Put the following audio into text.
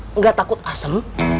enggak takut asem